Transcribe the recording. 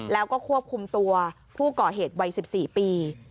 แล้วก็ควบคุมตัวผู้ก่อเหตุวัย๑๔ปี